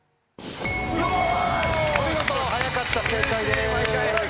お見事早かった正解です。